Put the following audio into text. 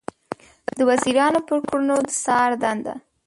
د وزیرانو پر کړنو د څار دنده